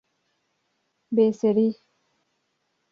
Bê Serî